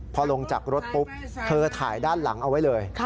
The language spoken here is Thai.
พอลงจากรถปุ๊บเธอถ่ายด้านหลังเอาไว้เลย